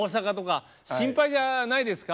心配じゃないですか？